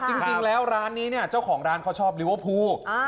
จริงแล้วร้านนี้เนี่ยเจ้าของร้านเขาชอบลิเวอร์พูล